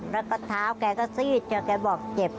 แล้วก็เท้าแกก็ซีดจนแกบอกเจ็บ